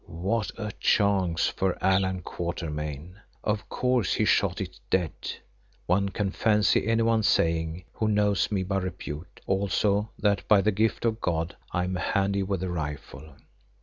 "What a chance for Allan Quatermain! Of course he shot it dead," one can fancy anyone saying who knows me by repute, also that by the gift of God I am handy with a rifle.